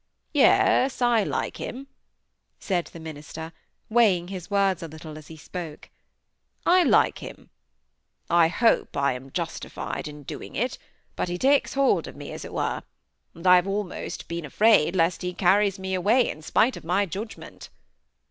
"Yes! I like him!" said the minister, weighing his words a little as he spoke. "I like him. I hope I am justified in doing it, but he takes hold of me, as it were; and I have almost been afraid lest he carries me away, in spite of my judgment."